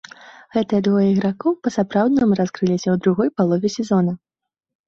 Гэтыя двое ігракоў па-сапраўднаму раскрыліся ў другой палове сезона.